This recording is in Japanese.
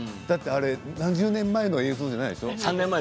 何十年前の映像じゃないでしょう？